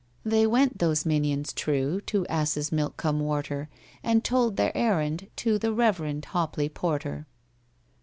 They went, those minions true, To Assesmilk cum Worter, And told their errand to The REVEREND HOPLEY PORTER.